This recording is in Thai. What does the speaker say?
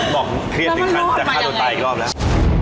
บอกเครียดหนึ่งครั้งจะฆ่าตัวตายอีกรอบแล้ว